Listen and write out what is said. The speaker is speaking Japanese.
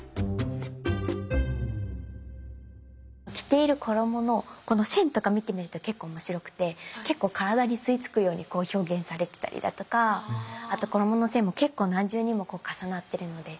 着ている衣のこの線とか見てみると結構面白くて結構体に吸い付くように表現されてたりだとかあと衣の線も結構何重にも重なってるので。